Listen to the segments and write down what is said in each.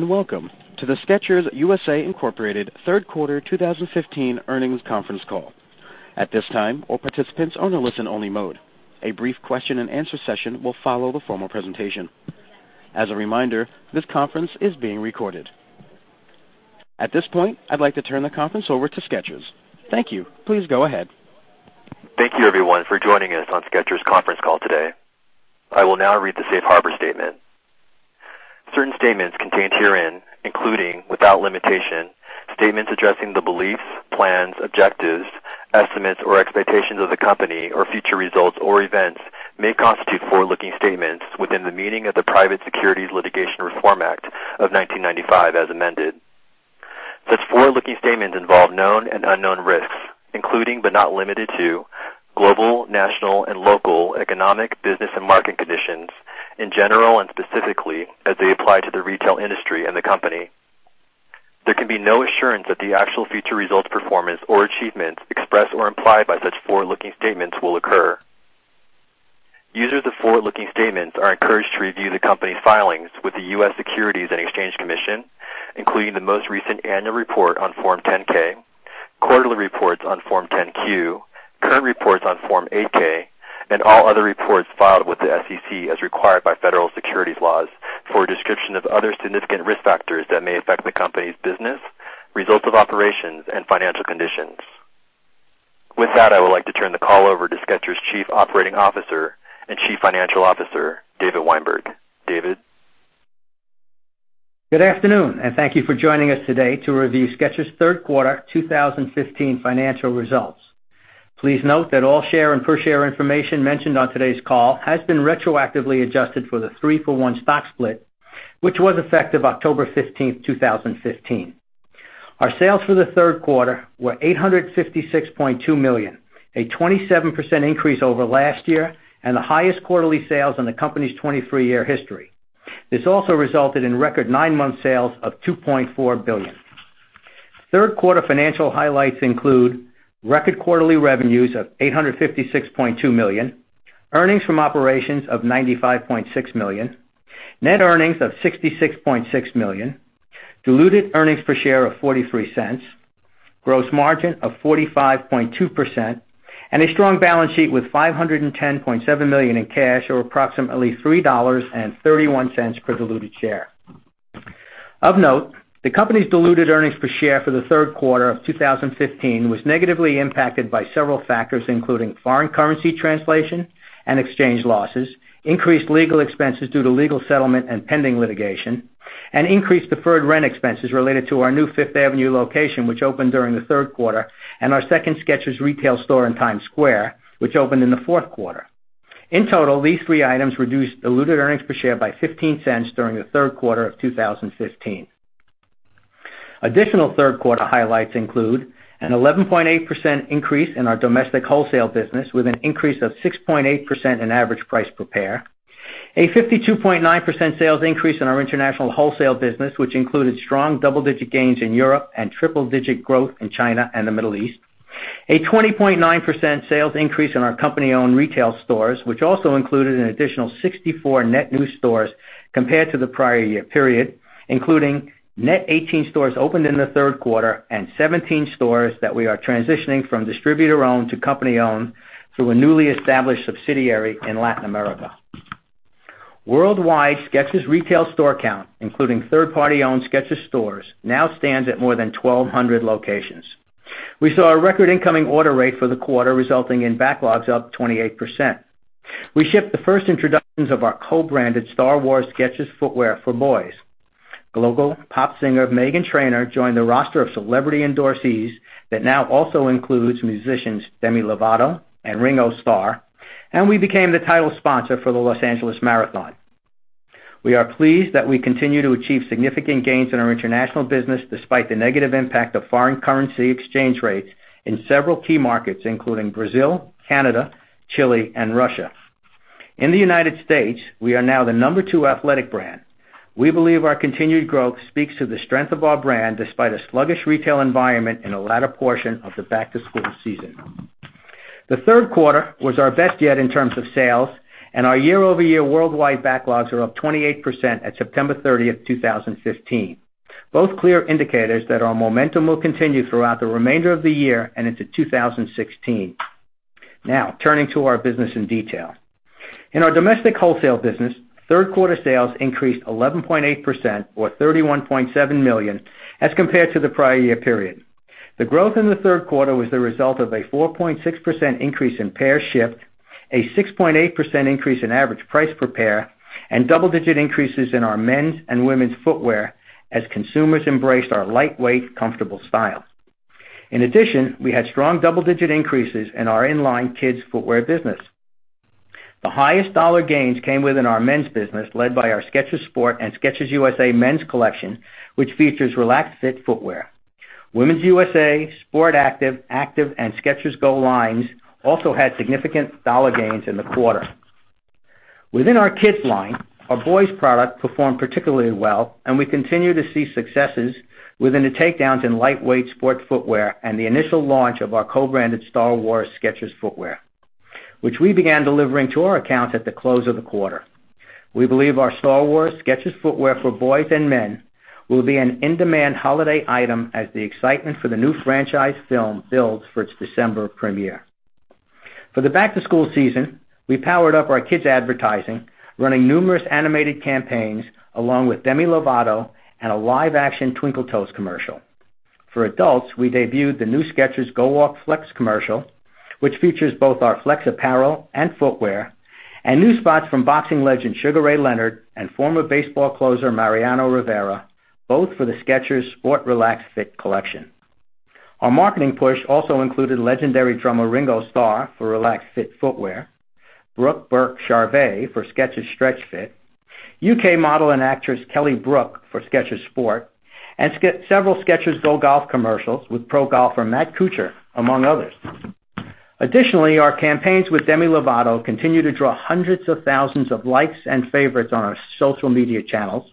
Welcome to the Skechers U.S.A. Incorporated third quarter 2015 earnings conference call. At this time, all participants are in a listen-only mode. A brief question-and-answer session will follow the formal presentation. As a reminder, this conference is being recorded. At this point, I'd like to turn the conference over to Skechers. Thank you. Please go ahead. Thank you, everyone, for joining us on Skechers' conference call today. I will now read the safe harbor statement. Certain statements contained herein, including, without limitation, statements addressing the beliefs, plans, objectives, estimates, or expectations of the company or future results or events may constitute forward-looking statements within the meaning of the Private Securities Litigation Reform Act of 1995 as amended. Such forward-looking statements involve known and unknown risks, including, but not limited to, global, national, and local economic, business, and market conditions in general and specifically as they apply to the retail industry and the company. There can be no assurance that the actual future results, performance, or achievements expressed or implied by such forward-looking statements will occur. Users of forward-looking statements are encouraged to review the company's filings with the U.S. Securities and Exchange Commission, including the most recent annual report on Form 10-K, quarterly reports on Form 10-Q, current reports on Form 8-K, and all other reports filed with the SEC as required by federal securities laws for a description of other significant risk factors that may affect the company's business, results of operations, and financial conditions. With that, I would like to turn the call over to Skechers' Chief Operating Officer and Chief Financial Officer, David Weinberg. David? Good afternoon, and thank you for joining us today to review Skechers' third quarter 2015 financial results. Please note that all share and per share information mentioned on today's call has been retroactively adjusted for the three-for-one stock split, which was effective October 15th, 2015. Our sales for the third quarter were $856.2 million, a 27% increase over last year and the highest quarterly sales in the company's 23-year history. This also resulted in record nine-month sales of $2.4 billion. Third quarter financial highlights include record quarterly revenues of $856.2 million, earnings from operations of $95.6 million, net earnings of $66.6 million, diluted earnings per share of $0.43, gross margin of 45.2%, and a strong balance sheet with $510.7 million in cash, or approximately $3.31 per diluted share. Of note, the company's diluted earnings per share for Q3 2015 was negatively impacted by several factors, including foreign currency translation and exchange losses, increased legal expenses due to legal settlement and pending litigation, and increased deferred rent expenses related to our new Fifth Avenue location, which opened during the third quarter, and our second Skechers retail store in Times Square, which opened in the fourth quarter. In total, these three items reduced diluted earnings per share by $0.15 during Q3 2015. Additional third quarter highlights include an 11.8% increase in our domestic wholesale business, with an increase of 6.8% in average price per pair, a 52.9% sales increase in our international wholesale business, which included strong double-digit gains in Europe and triple-digit growth in China and the Middle East. A 20.9% sales increase in our company-owned retail stores, which also included an additional 64 net new stores compared to the prior year period, including net 18 stores opened in the third quarter and 17 stores that we are transitioning from distributor-owned to company-owned through a newly established subsidiary in Latin America. Worldwide, Skechers' retail store count, including third-party owned Skechers stores, now stands at more than 1,200 locations. We saw a record incoming order rate for the quarter, resulting in backlogs up 28%. We shipped the first introductions of our co-branded Star Wars Skechers footwear for boys. Global pop singer Meghan Trainor joined the roster of celebrity endorsees that now also includes musicians Demi Lovato and Ringo Starr, and we became the title sponsor for the Los Angeles Marathon. We are pleased that we continue to achieve significant gains in our international business, despite the negative impact of foreign currency exchange rates in several key markets, including Brazil, Canada, Chile, and Russia. In the U.S., we are now the number 2 athletic brand. We believe our continued growth speaks to the strength of our brand, despite a sluggish retail environment in the latter portion of the back-to-school season. The third quarter was our best yet in terms of sales, and our year-over-year worldwide backlogs are up 28% at September 30th, 2015. Both clear indicators that our momentum will continue throughout the remainder of the year and into 2016. Turning to our business in detail. In our domestic wholesale business, third quarter sales increased 11.8%, or $31.7 million, as compared to the prior year period. The growth in the third quarter was the result of a 4.6% increase in pairs shipped, a 6.8% increase in average price per pair, and double-digit increases in our men's and women's footwear as consumers embraced our lightweight, comfortable styles. In addition, we had strong double-digit increases in our in-line kids footwear business. The highest dollar gains came within our men's business, led by our Skechers Sport and Skechers USA men's collection, which features Relaxed Fit footwear. Women's USA, Sport Active, and Skechers GO lines also had significant dollar gains in the quarter. Within our Kids line, our boys product performed particularly well, and we continue to see successes within the takedowns in lightweight sport footwear and the initial launch of our co-branded Star Wars Skechers footwear, which we began delivering to our accounts at the close of the quarter. We believe our Star Wars Skechers footwear for boys and men will be an in-demand holiday item as the excitement for the new franchise film builds for its December premiere. For the back-to-school season, we powered up our Kids' advertising, running numerous animated campaigns, along with Demi Lovato and a live-action Twinkle Toes commercial. For adults, we debuted the new Skechers GO WALK Flex commercial, which features both our flex apparel and footwear, and new spots from boxing legend Sugar Ray Leonard and former baseball closer Mariano Rivera, both for the Skechers Sport Relaxed Fit collection. Our marketing push also included legendary drummer Ringo Starr for Relaxed Fit footwear, Brooke Burke-Charvet for Skechers Stretch Fit, U.K. model and actress Kelly Brook for Skechers Sport, and several Skechers GO GOLF commercials with pro golfer Matt Kuchar, among others. Additionally, our campaigns with Demi Lovato continue to draw hundreds of thousands of likes and favorites on our social media channels,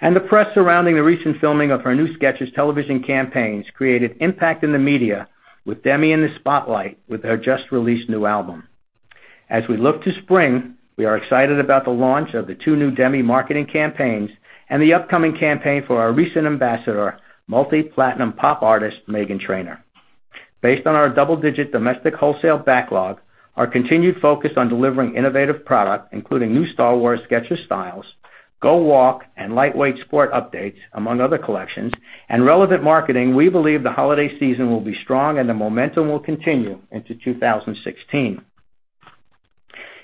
and the press surrounding the recent filming of our new Skechers television campaigns created impact in the media with Demi in the spotlight with her just-released new album. As we look to spring, we are excited about the launch of the two new Demi marketing campaigns and the upcoming campaign for our recent ambassador, multi-platinum pop artist Meghan Trainor. Based on our double-digit domestic wholesale backlog, our continued focus on delivering innovative product, including new Star Wars Skechers styles, GO WALK, and lightweight sport updates, among other collections, and relevant marketing, we believe the holiday season will be strong and the momentum will continue into 2016.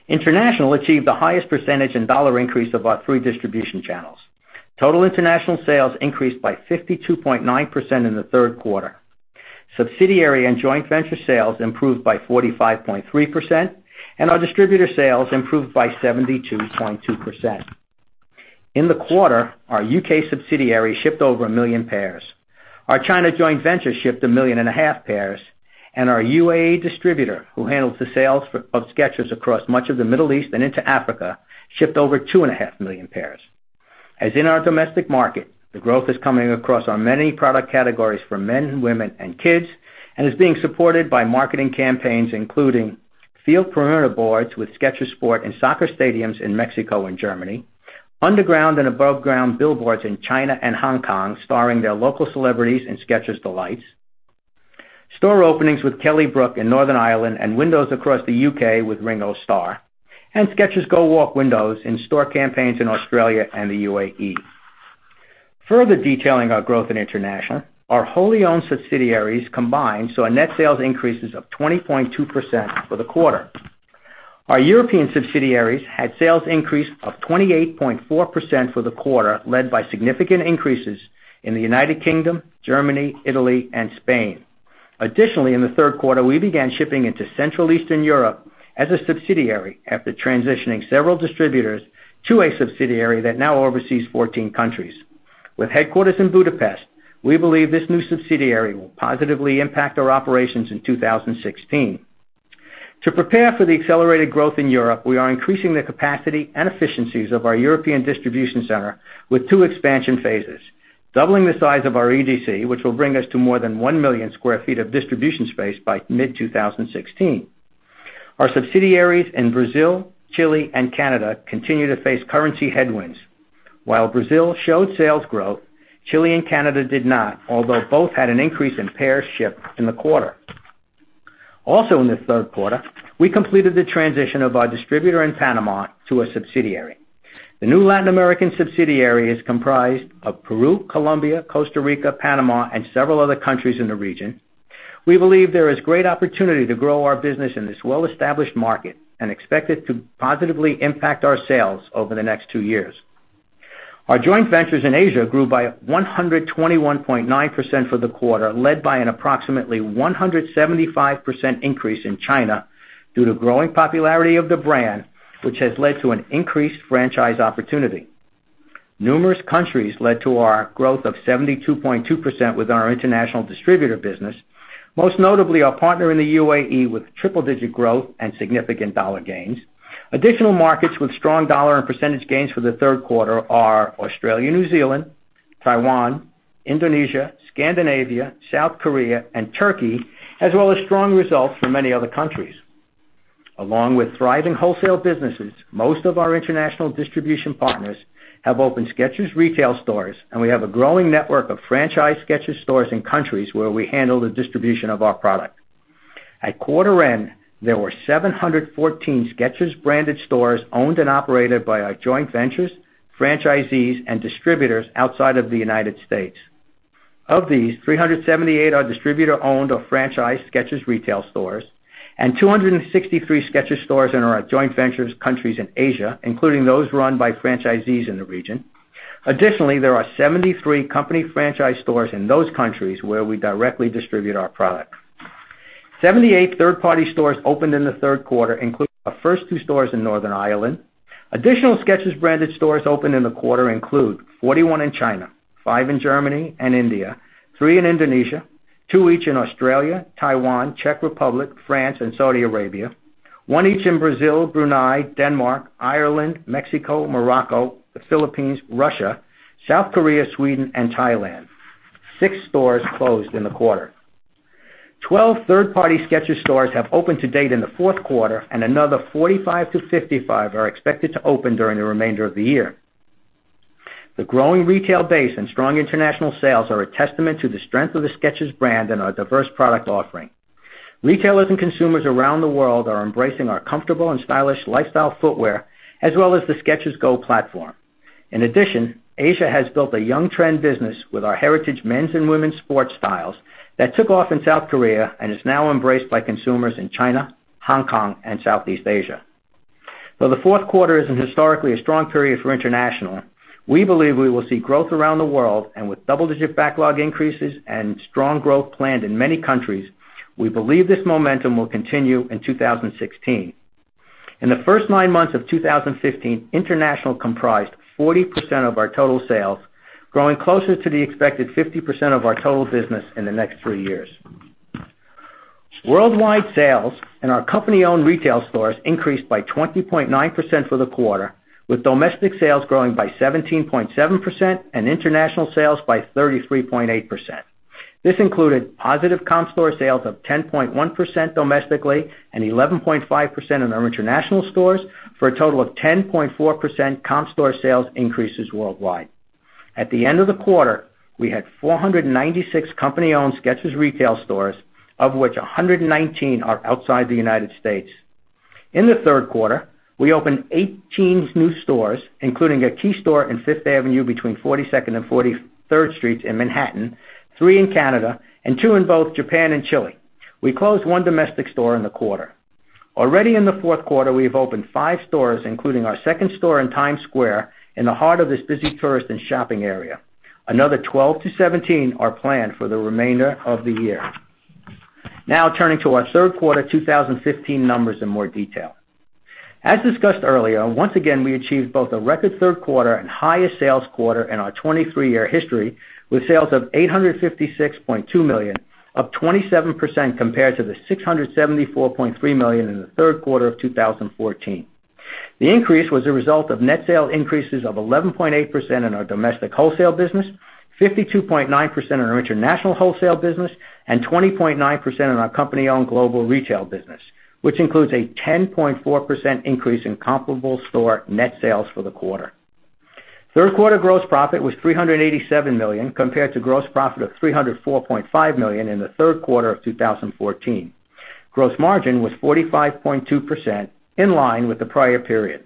International achieved the highest percentage in dollar increase of our three distribution channels. Total international sales increased by 52.9% in the third quarter. Subsidiary and joint venture sales improved by 45.3%, and our distributor sales improved by 72.2%. In the quarter, our U.K. subsidiary shipped over 1 million pairs. Our China joint venture shipped 1.5 million pairs, and our U.A.E. distributor, who handles the sales of Skechers across much of the Middle East and into Africa, shipped over 2.5 million pairs. As in our domestic market, the growth is coming across our many product categories for men, women, and Kids, and is being supported by marketing campaigns including field perimeter boards with Skechers Sport and soccer stadiums in Mexico and Germany, underground and above ground billboards in China and Hong Kong starring their local celebrities in Skechers D'Lites, store openings with Kelly Brook in Northern Ireland and windows across the U.K. with Ringo Starr, and Skechers GO WALK windows in store campaigns in Australia and the U.A.E. Further detailing our growth in international, our wholly owned subsidiaries combined saw a net sales increases of 20.2% for the quarter. Our European subsidiaries had sales increase of 28.4% for the quarter, led by significant increases in the U.K., Germany, Italy, and Spain. Additionally, in the third quarter, we began shipping into Central Eastern Europe as a subsidiary after transitioning several distributors to a subsidiary that now oversees 14 countries. With headquarters in Budapest, we believe this new subsidiary will positively impact our operations in 2016. To prepare for the accelerated growth in Europe, we are increasing the capacity and efficiencies of our European distribution center with 2 expansion phases, doubling the size of our EDC, which will bring us to more than 1 million sq ft of distribution space by mid-2016. Our subsidiaries in Brazil, Chile, and Canada continue to face currency headwinds. While Brazil showed sales growth, Chile and Canada did not, although both had an increase in pairs shipped in the quarter. In the third quarter, we completed the transition of our distributor in Panama to a subsidiary. The new Latin American subsidiary is comprised of Peru, Colombia, Costa Rica, Panama, and several other countries in the region. We believe there is great opportunity to grow our business in this well-established market and expect it to positively impact our sales over the next two years. Our joint ventures in Asia grew by 121.9% for the quarter, led by an approximately 175% increase in China due to growing popularity of the brand, which has led to an increased franchise opportunity. Numerous countries led to our growth of 72.2% with our international distributor business, most notably our partner in the UAE with triple-digit growth and significant dollar gains. Additional markets with strong dollar and percentage gains for the third quarter are Australia and New Zealand, Taiwan, Indonesia, Scandinavia, South Korea, and Turkey, as well as strong results from many other countries. Along with thriving wholesale businesses, most of our international distribution partners have opened Skechers retail stores, and we have a growing network of franchise Skechers stores in countries where we handle the distribution of our product. At quarter end, there were 714 Skechers branded stores owned and operated by our joint ventures, franchisees, and distributors outside of the U.S. Of these, 378 are distributor owned or franchise Skechers retail stores and 263 Skechers stores in our joint ventures countries in Asia, including those run by franchisees in the region. Additionally, there are 73 company franchise stores in those countries where we directly distribute our product. 78 third-party stores opened in the third quarter, including our first two stores in Northern Ireland. Additional Skechers branded stores opened in the quarter include 41 in China, five in Germany and India, three in Indonesia, two each in Australia, Taiwan, Czech Republic, France, and Saudi Arabia, one each in Brazil, Brunei, Denmark, Ireland, Mexico, Morocco, the Philippines, Russia, South Korea, Sweden, and Thailand. Six stores closed in the quarter. 12 third-party Skechers stores have opened to date in the fourth quarter, and another 45-55 are expected to open during the remainder of the year. The growing retail base and strong international sales are a testament to the strength of the Skechers brand and our diverse product offering. Retailers and consumers around the world are embracing our comfortable and stylish lifestyle footwear, as well as the Skechers GO platform. In addition, Asia has built a young trend business with our heritage men's and women's sports styles that took off in South Korea and is now embraced by consumers in China, Hong Kong, and Southeast Asia. Though the fourth quarter isn't historically a strong period for international, we believe we will see growth around the world. With double-digit backlog increases and strong growth planned in many countries, we believe this momentum will continue in 2016. In the first nine months of 2015, international comprised 40% of our total sales, growing closer to the expected 50% of our total business in the next three years. Worldwide sales in our company-owned retail stores increased by 20.9% for the quarter, with domestic sales growing by 17.7% and international sales by 33.8%. This included positive comp store sales of 10.1% domestically and 11.5% in our international stores, for a total of 10.4% comp store sales increases worldwide. At the end of the quarter, we had 496 company-owned Skechers retail stores, of which 119 are outside the United States. In the third quarter, we opened 18 new stores, including a key store in Fifth Avenue between 42nd and 43rd streets in Manhattan, three in Canada, and two in both Japan and Chile. We closed one domestic store in the quarter. Already in the fourth quarter, we have opened five stores, including our second store in Times Square, in the heart of this busy tourist and shopping area. Another 12 to 17 are planned for the remainder of the year. Now turning to our third quarter 2015 numbers in more detail. As discussed earlier, once again, we achieved both a record third quarter and highest sales quarter in our 23-year history, with sales of $856.2 million, up 27% compared to the $674.3 million in the third quarter of 2014. The increase was a result of net sales increases of 11.8% in our domestic wholesale business, 52.9% in our international wholesale business, and 20.9% in our company-owned global retail business, which includes a 10.4% increase in comparable store net sales for the quarter. Third quarter gross profit was $387 million, compared to gross profit of $304.5 million in the third quarter of 2014. Gross margin was 45.2%, in line with the prior period.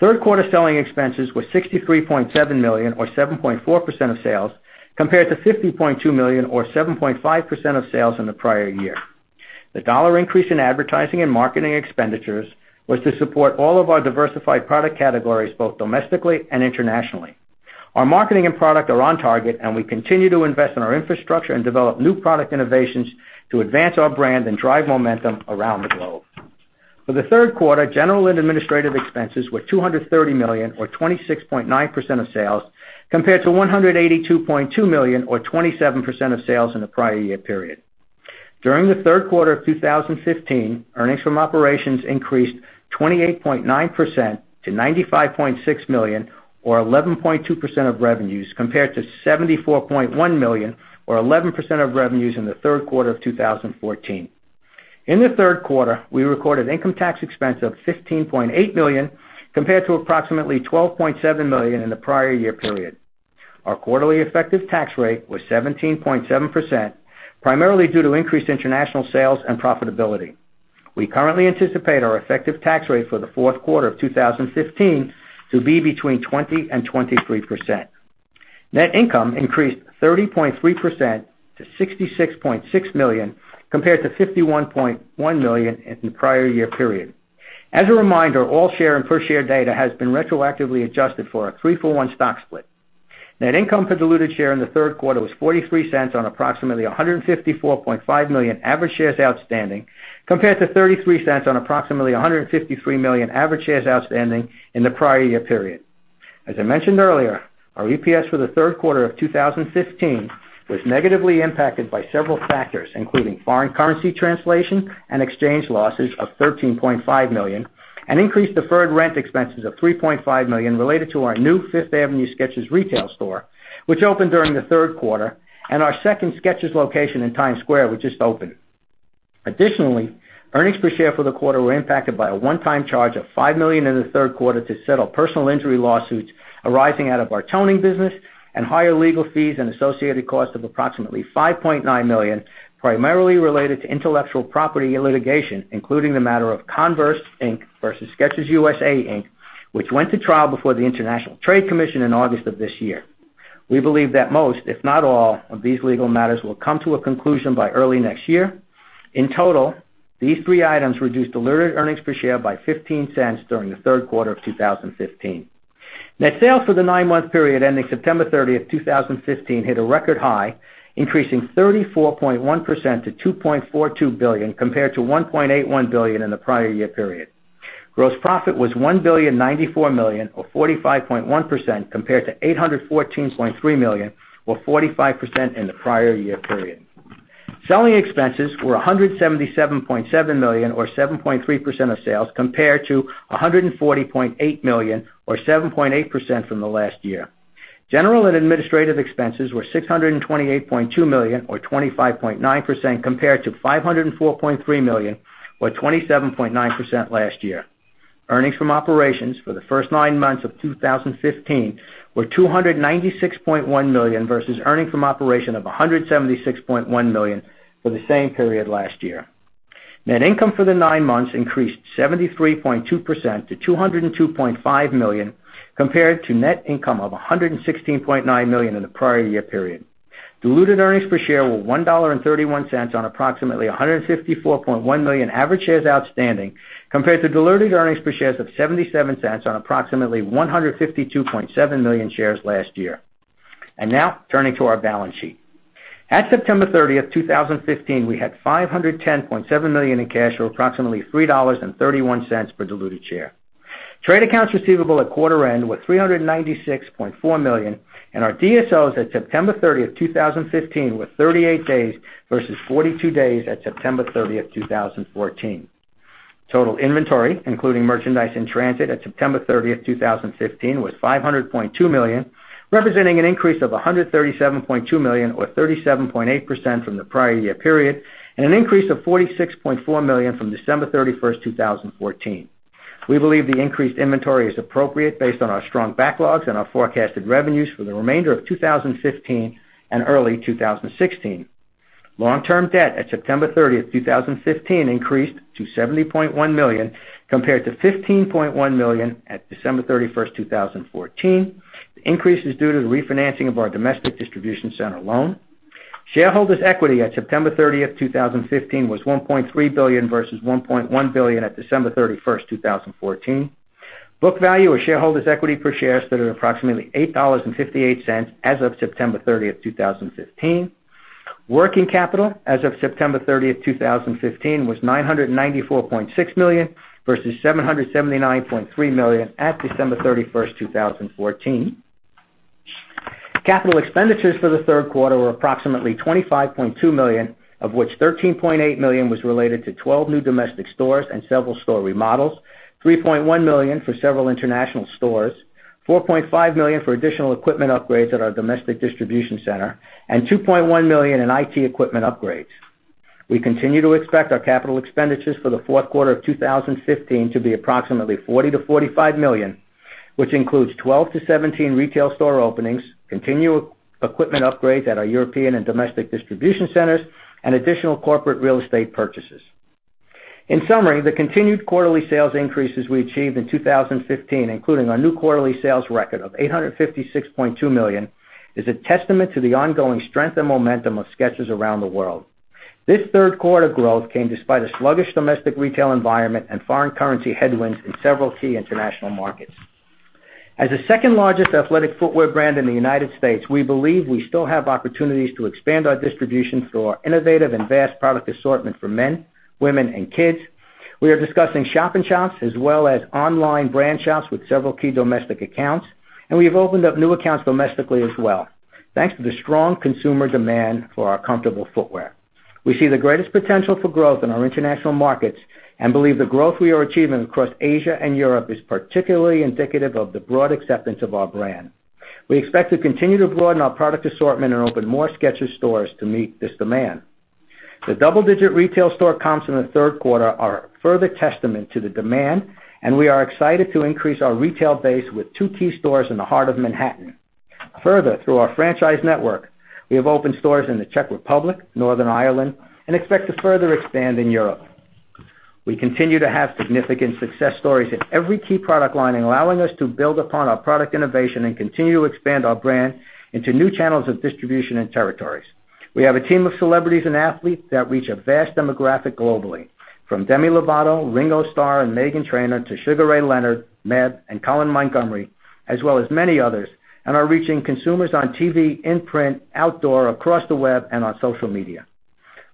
Third quarter selling expenses were $63.7 million, or 7.4% of sales, compared to $50.2 million, or 7.5% of sales in the prior year. The dollar increase in advertising and marketing expenditures was to support all of our diversified product categories, both domestically and internationally. Our marketing and product are on target, and we continue to invest in our infrastructure and develop new product innovations to advance our brand and drive momentum around the globe. For the third quarter, general and administrative expenses were $230 million, or 26.9% of sales, compared to $182.2 million, or 27% of sales, in the prior year period. During the third quarter of 2015, earnings from operations increased 28.9% to $95.6 million, or 11.2% of revenues, compared to $74.1 million, or 11% of revenues, in the third quarter of 2014. In the third quarter, we recorded income tax expense of $15.8 million, compared to approximately $12.7 million in the prior year period. Our quarterly effective tax rate was 17.7%, primarily due to increased international sales and profitability. We currently anticipate our effective tax rate for the fourth quarter of 2015 to be between 20%-23%. Net income increased 30.3% to $66.6 million, compared to $51.1 million in the prior year period. As a reminder, all share and per share data has been retroactively adjusted for our three-for-one stock split. Net income for diluted share in the third quarter was $0.43 on approximately 154.5 million average shares outstanding, compared to $0.33 on approximately 153 million average shares outstanding in the prior year period. As I mentioned earlier, our EPS for the third quarter of 2015 was negatively impacted by several factors, including foreign currency translation and exchange losses of $13.5 million, an increased deferred rent expenses of $3.5 million related to our new Fifth Avenue Skechers retail store, which opened during the third quarter, and our second Skechers location in Times Square, which just opened. Additionally, earnings per share for the quarter were impacted by a one-time charge of $5 million in the third quarter to settle personal injury lawsuits arising out of our toning business and higher legal fees and associated costs of approximately $5.9 million, primarily related to intellectual property litigation, including the matter of Converse, Inc., versus Skechers U.S.A., Inc., which went to trial before the International Trade Commission in August of this year. We believe that most, if not all, of these legal matters will come to a conclusion by early next year. In total, these three items reduced diluted earnings per share by $0.15 during the third quarter of 2015. Net sales for the nine-month period ending September 30th, 2015, hit a record high, increasing 34.1% to $2.42 billion, compared to $1.81 billion in the prior year period. Gross profit was $1 billion 94 million, or 45.1%, compared to $814.3 million, or 45%, in the prior year period. Selling expenses were $177.7 million or 7.3% of sales, compared to $140.8 million or 7.8% from the last year. General and administrative expenses were $628.2 million or 25.9%, compared to $504.3 million or 27.9% last year. Earnings from operations for the first nine months of 2015 were $296.1 million versus earnings from operation of $176.1 million for the same period last year. Net income for the nine months increased 73.2% to $202.5 million, compared to net income of $116.9 million in the prior year period. Diluted earnings per share were $1.31 on approximately 154.1 million average shares outstanding, compared to diluted earnings per shares of $0.77 on approximately 152.7 million shares last year. Now turning to our balance sheet. At September 30th, 2015, we had $510.7 million in cash, or approximately $3.31 per diluted share. Trade accounts receivable at quarter end were $396.4 million, and our DSOs at September 30th, 2015, were 38 days versus 42 days at September 30th, 2014. Total inventory, including merchandise in transit at September 30th, 2015, was $500.2 million, representing an increase of $137.2 million or 37.8% from the prior year period and an increase of $46.4 million from December 31st, 2014. We believe the increased inventory is appropriate based on our strong backlogs and our forecasted revenues for the remainder of 2015 and early 2016. Long-term debt at September 30th, 2015, increased to $70.1 million, compared to $15.1 million at December 31st, 2014. The increase is due to the refinancing of our domestic distribution center loan. Shareholders' equity at September 30th, 2015, was $1.3 billion versus $1.1 billion at December 31st, 2014. Book value of shareholders' equity per share stood at approximately $8.58 as of September 30th, 2015. Working capital as of September 30th, 2015, was $994.6 million versus $779.3 million at December 31st, 2014. Capital expenditures for the third quarter were approximately $25.2 million, of which $13.8 million was related to 12 new domestic stores and several store remodels, $3.1 million for several international stores, $4.5 million for additional equipment upgrades at our domestic distribution center, and $2.1 million in IT equipment upgrades. We continue to expect our capital expenditures for the fourth quarter of 2015 to be approximately $40 million to $45 million, which includes 12 to 17 retail store openings, continued equipment upgrades at our European and domestic distribution centers, and additional corporate real estate purchases. In summary, the continued quarterly sales increases we achieved in 2015, including our new quarterly sales record of $856.2 million, is a testament to the ongoing strength and momentum of Skechers around the world. This third quarter growth came despite a sluggish domestic retail environment and foreign currency headwinds in several key international markets. As the second-largest athletic footwear brand in the U.S., we believe we still have opportunities to expand our distribution through our innovative and vast product assortment for men, women, and kids. We are discussing shop-in-shops as well as online brand shops with several key domestic accounts, and we have opened up new accounts domestically as well, thanks to the strong consumer demand for our comfortable footwear. Through our franchise network, we have opened stores in the Czech Republic, Northern Ireland, and expect to further expand in Europe. We see the greatest potential for growth in our international markets and believe the growth we are achieving across Asia and Europe is particularly indicative of the broad acceptance of our brand. We expect to continue to broaden our product assortment and open more Skechers stores to meet this demand. The double-digit retail store comps in the third quarter are a further testament to the demand, and we are excited to increase our retail base with two key stores in the heart of Manhattan. We continue to have significant success stories in every key product line, allowing us to build upon our product innovation and continue to expand our brand into new channels of distribution and territories. We have a team of celebrities and athletes that reach a vast demographic globally, from Demi Lovato, Ringo Starr, and Meghan Trainor to Sugar Ray Leonard, Meb, and Colin Montgomerie, as well as many others, and are reaching consumers on TV, in print, outdoor, across the web, and on social media.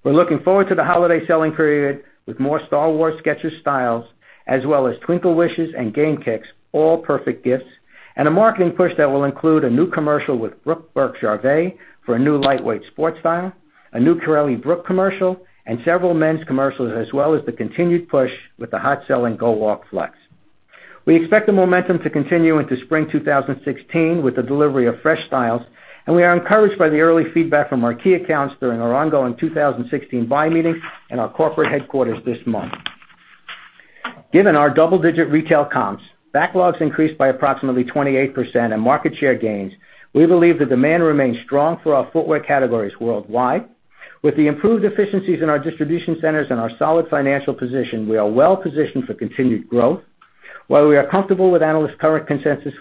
We're looking forward to the holiday selling period with more Star Wars Skechers styles as well as Twinkle Wishes and Game Kicks, all perfect gifts, and a marketing push that will include a new commercial with Brooke Burke-Charvet for a new lightweight sports style, a new Kelly Brook commercial, and several men's commercials, as well as the continued push with the hot-selling GO WALK Flex. We expect the momentum to continue into spring 2016 with the delivery of fresh styles, and we are encouraged by the early feedback from our key accounts during our ongoing 2016 buy meeting in our corporate headquarters this month. Given our double-digit retail comps, backlogs increased by approximately 28%, and market share gains, we believe the demand remains strong for our footwear categories worldwide. With the improved efficiencies in our distribution centers and our solid financial position, we are well positioned for continued growth. While we are comfortable with analysts' current consensus for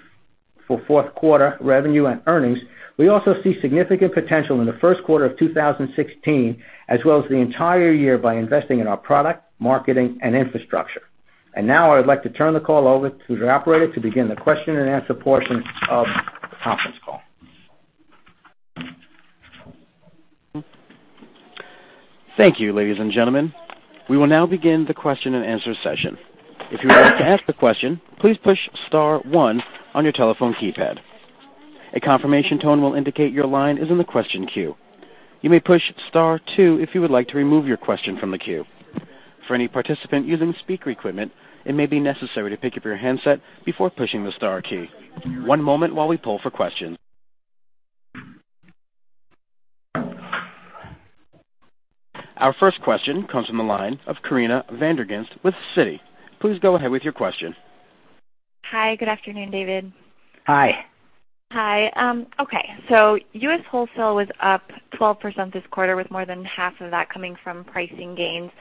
fourth quarter revenue and earnings, we also see significant potential in the first quarter of 2016 as well as the entire year by investing in our product, marketing, and infrastructure. Now I would like to turn the call over to the operator to begin the question and answer portion of the conference call. Thank you, ladies and gentlemen. We will now begin the question and answer session. If you would like to ask a question, please push star one on your telephone keypad. A confirmation tone will indicate your line is in the question queue. You may push star two if you would like to remove your question from the queue. For any participant using speaker equipment, it may be necessary to pick up your handset before pushing the star key. One moment while we pull for questions. Our first question comes from the line of Corinna van der Ghinst with Citi. Please go ahead with your question. Hi, good afternoon, David. Hi. Hi. U.S. wholesale was up 12% this quarter, with more than half of that coming from pricing gains.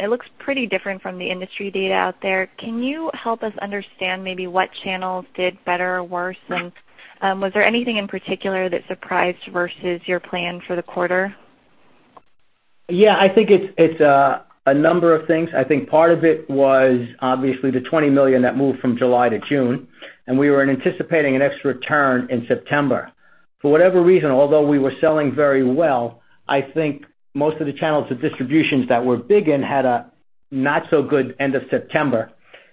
It looks pretty different from the industry data out there. Can you help us understand maybe what channels did better or worse, and was there anything in particular that surprised versus your plan for the quarter? I think it's a number of things. I think part of it was obviously the $20 million that moved from July to June, we were anticipating an extra turn in September. For whatever reason, although we were selling very well, I think most of the channels of distribution that were big had a not-so-good end of September.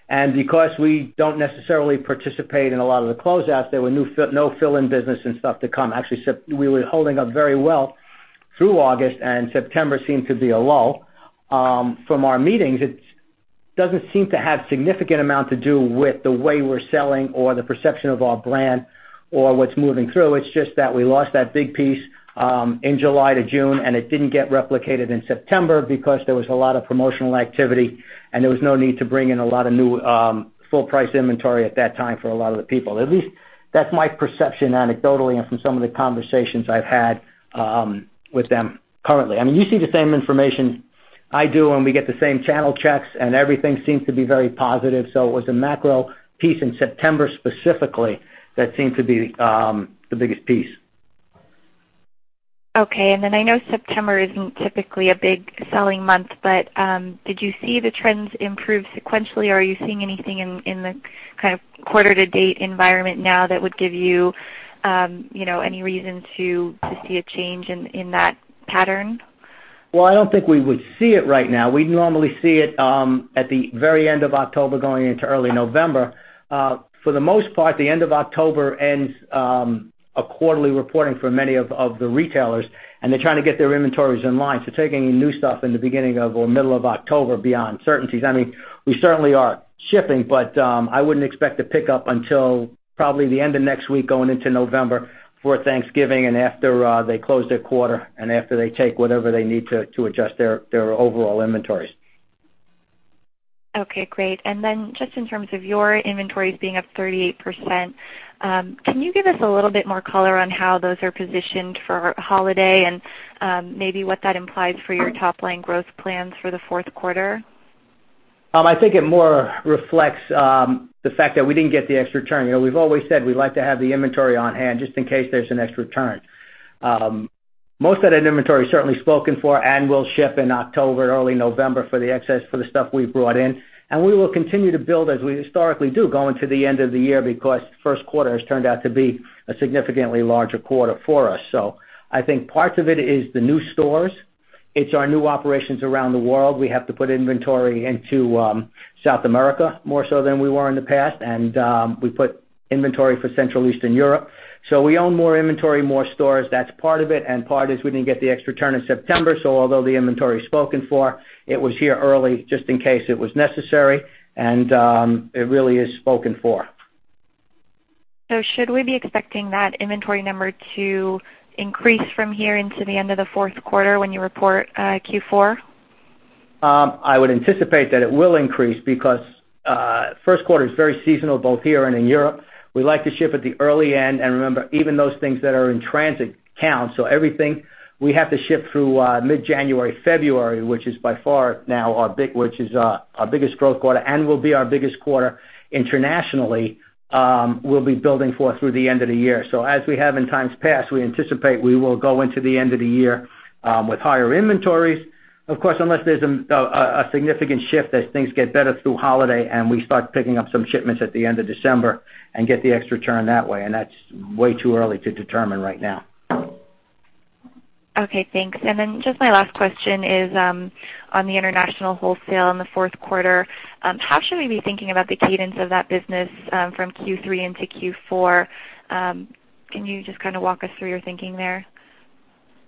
Because we don't necessarily participate in a lot of the closeouts, there were no fill-in business and stuff to come. Actually, we were holding up very well through August, September seemed to be a lull. From our meetings, it doesn't seem to have significant amount to do with the way we're selling or the perception of our brand or what's moving through. It's just that we lost that big piece in July to June, it didn't get replicated in September because there was a lot of promotional activity, there was no need to bring in a lot of new full-price inventory at that time for a lot of the people. At least that's my perception anecdotally and from some of the conversations I've had with them currently. You see the same information I do, we get the same channel checks, everything seems to be very positive. It was a macro piece in September specifically that seemed to be the biggest piece. I know September isn't typically a big selling month, but did you see the trends improve sequentially? Are you seeing anything in the kind of quarter-to-date environment now that would give you any reason to see a change in that pattern? I don't think we would see it right now. We'd normally see it at the very end of October going into early November. For the most part, the end of October ends a quarterly reporting for many of the retailers, they're trying to get their inventories in line. Take any new stuff in the beginning of or middle of October beyond certainties. We certainly are shipping, I wouldn't expect to pick up until probably the end of next week going into November for Thanksgiving after they close their quarter after they take whatever they need to adjust their overall inventories. Okay, great. Just in terms of your inventories being up 38%, can you give us a little bit more color on how those are positioned for holiday and maybe what that implies for your top-line growth plans for the fourth quarter? I think it more reflects the fact that we didn't get the extra turn. We've always said we like to have the inventory on hand just in case there's an extra turn. Most of that inventory is certainly spoken for and will ship in October, early November for the excess for the stuff we've brought in. We will continue to build as we historically do, going to the end of the year because the first quarter has turned out to be a significantly larger quarter for us. I think parts of it is the new stores. It's our new operations around the world. We have to put inventory into South America more so than we were in the past, and we put inventory for Central Eastern Europe. We own more inventory, more stores. That's part of it, and part is we didn't get the extra turn in September. Although the inventory is spoken for, it was here early just in case it was necessary, and it really is spoken for. Should we be expecting that inventory number to increase from here into the end of the fourth quarter when you report Q4? I would anticipate that it will increase because first quarter is very seasonal, both here and in Europe. We like to ship at the early end. Remember, even those things that are in transit count. Everything we have to ship through mid-January, February, which is by far now our biggest growth quarter and will be our biggest quarter internationally, we'll be building for through the end of the year. As we have in times past, we anticipate we will go into the end of the year with higher inventories. Of course, unless there's a significant shift as things get better through holiday and we start picking up some shipments at the end of December and get the extra turn that way, that's way too early to determine right now. Okay, thanks. Just my last question is on the international wholesale in the fourth quarter. How should we be thinking about the cadence of that business from Q3 into Q4? Can you just kind of walk us through your thinking there?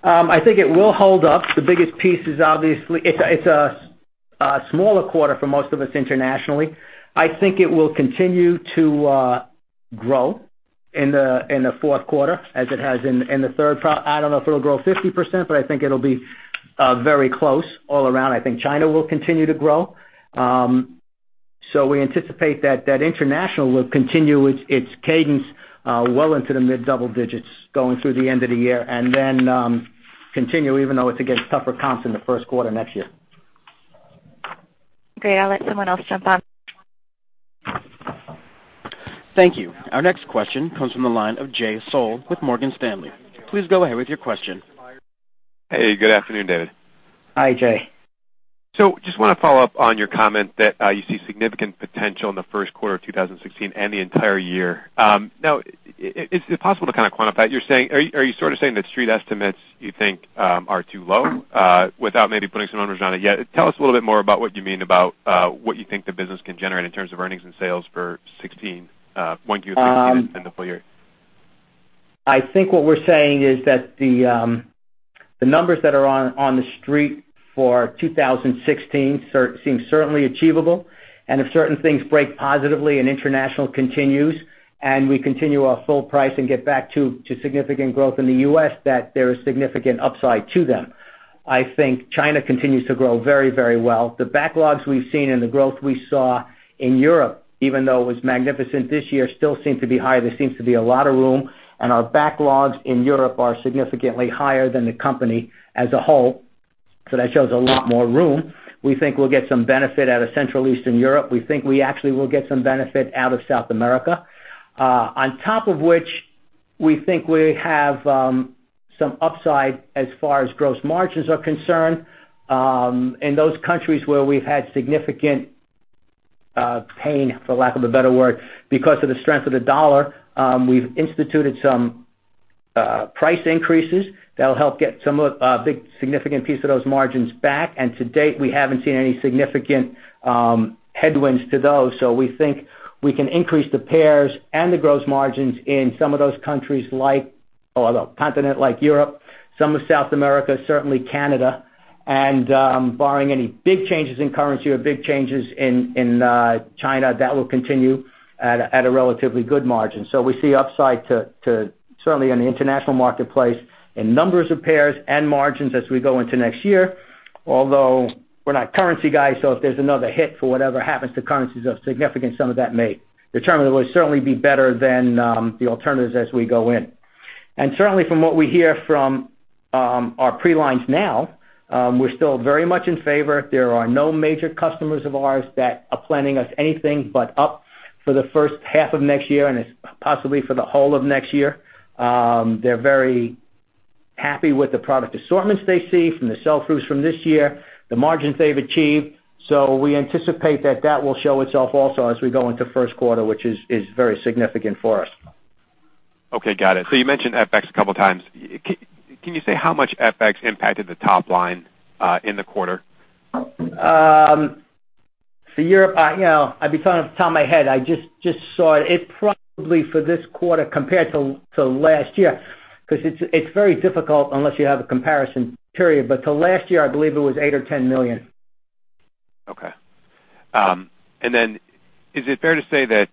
I think it will hold up. The biggest piece is obviously it's a smaller quarter for most of us internationally. I think it will continue to grow in the fourth quarter as it has in the third. I don't know if it'll grow 50%, but I think it'll be very close all around. I think China will continue to grow. We anticipate that international will continue its cadence well into the mid-double digits going through the end of the year and then continue even though it's against tougher comps in the first quarter next year. Great. I'll let someone else jump on. Thank you. Our next question comes from the line of Jay Sole with Morgan Stanley. Please go ahead with your question. Hey, good afternoon, David. Hi, Jay. Just want to follow up on your comment that you see significant potential in the first quarter of 2016 and the entire year. Now, is it possible to kind of quantify it? Are you sort of saying that street estimates you think are too low without maybe putting some numbers on it yet? Tell us a little bit more about what you mean about what you think the business can generate in terms of earnings and sales for 2016 and the full year. I think what we're saying is that the numbers that are on the street for 2016 seem certainly achievable. If certain things break positively and international continues, and we continue our full price and get back to significant growth in the U.S., that there is significant upside to them. I think China continues to grow very well. The backlogs we've seen and the growth we saw in Europe, even though it was magnificent this year, still seem to be high. There seems to be a lot of room, and our backlogs in Europe are significantly higher than the company as a whole. That shows a lot more room. We think we'll get some benefit out of Central Eastern Europe. We think we actually will get some benefit out of South America. On top of which, we think we have some upside as far as gross margins are concerned. In those countries where we've had significant pain, for lack of a better word, because of the strength of the dollar, we've instituted some price increases that'll help get some of a big, significant piece of those margins back. To date, we haven't seen any significant headwinds to those. We think we can increase the pairs and the gross margins in some of those continent like Europe, some of South America, certainly Canada. Barring any big changes in currency or big changes in China, that will continue at a relatively good margin. We see upside to certainly in the international marketplace, in numbers of pairs and margins as we go into next year, although we're not currency guys, so if there's another hit for whatever happens to currencies of significance, some of that may determine that we'll certainly be better than the alternatives as we go in. Certainly, from what we hear from our pre-lines now, we're still very much in favor. There are no major customers of ours that are planning us anything but up for the first half of next year and possibly for the whole of next year. They're very happy with the product assortments they see from the sell-throughs from this year, the margins they've achieved. We anticipate that that will show itself also as we go into first quarter, which is very significant for us. Okay, got it. You mentioned FX a couple of times. Can you say how much FX impacted the top line in the quarter? For Europe, off the top of my head, I just saw it probably for this quarter compared to last year, because it's very difficult unless you have a comparison period, but to last year, I believe it was $8 or $10 million. Okay. Is it fair to say that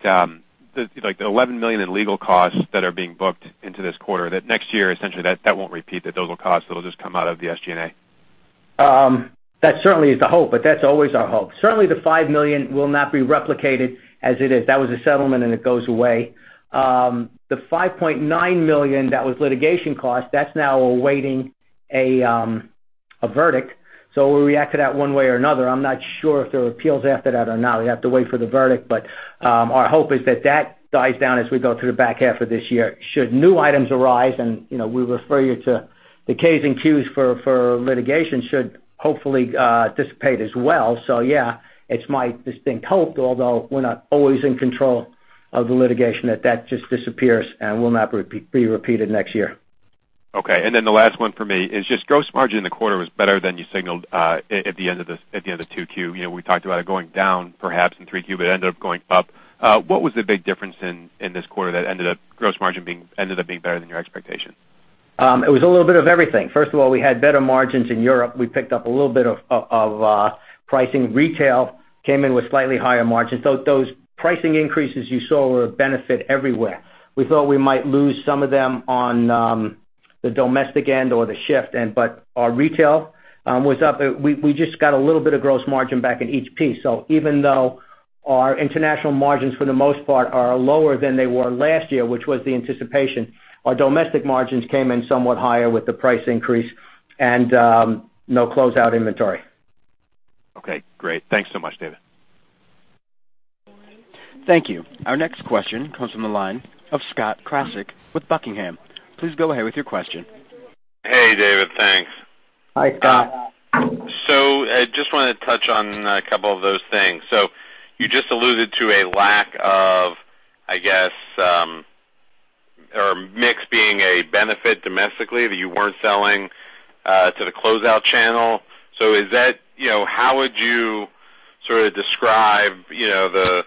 the $11 million in legal costs that are being booked into this quarter, that next year, essentially, that won't repeat, that'll just come out of the SG&A? That certainly is the hope, that's always our hope. Certainly the $5 million will not be replicated as it is. That was a settlement, it goes away. The $5.9 million that was litigation cost, that's now awaiting a verdict. We'll react to that one way or another. I'm not sure if there are appeals after that or not. We have to wait for the verdict. Our hope is that that dies down as we go through the back half of this year. Should new items arise, and we refer you to the K's and Q's for litigation should hopefully dissipate as well. It's my distinct hope, although we're not always in control of the litigation, that that just disappears and will not be repeated next year. Okay. The last one for me is just gross margin in the quarter was better than you signaled at the end of 2Q. We talked about it going down perhaps in 3Q, it ended up going up. What was the big difference in this quarter that ended up gross margin being better than your expectations? It was a little bit of everything. First of all, we had better margins in Europe. We picked up a little bit of pricing. Retail came in with slightly higher margins. Those pricing increases you saw were a benefit everywhere. We thought we might lose some of them on the domestic end or the shift end, our retail was up. We just got a little bit of gross margin back in each piece. Even though our international margins for the most part are lower than they were last year, which was the anticipation, our domestic margins came in somewhat higher with the price increase and no closeout inventory. Okay, great. Thanks so much, David. Thank you. Our next question comes from the line of Scott Krasik with Buckingham. Please go ahead with your question. Hey, David. Thanks. Hi, Scott. I just wanted to touch on a couple of those things. You just alluded to a lack of, I guess, or mix being a benefit domestically that you weren't selling to the closeout channel. How would you sort of describe the